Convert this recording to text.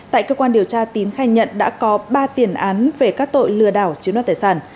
tại cơ quan điều tra tín khai nhận đã có ba tiền án về các tội lừa đảo chiếm đoạt tài sản